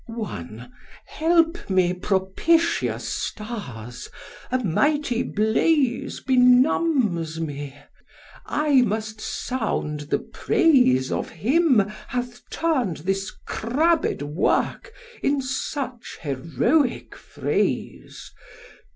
I. Help me, propitious stars; a mighty blaze Benumbs me! I must sound the praise Of him hath turn'd this crabbed work in such heroic phrase.